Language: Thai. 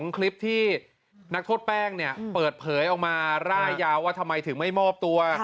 คลิปที่นักโทษแป้งเนี่ยเปิดเผยออกมาร่ายยาวว่าทำไมถึงไม่มอบตัว